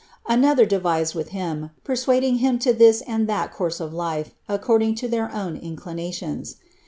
Another devised with him, persuading him to this and that course of life, according to their own inclinations.